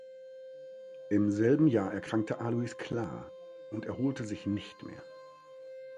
Im selben Jahr erkrankte Alois Klar und erholte sich nicht mehr.